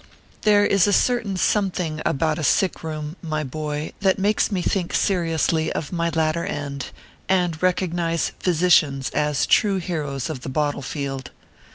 THERE is a certain something about a sick room, my boy, that makes me think seriously of my latter end, and recognize physicians as true heroes of the bottle field.